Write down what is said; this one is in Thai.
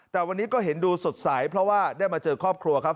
แต่วันนี้ก็เห็นดูสดใสเพราะว่าได้มาเจอครอบครัวครับ